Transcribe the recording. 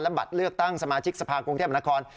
บัตรเลือกตั้งสมาชิกสภาคกรุงเทพนคร